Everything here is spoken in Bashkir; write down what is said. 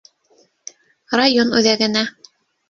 Район үҙәгенә.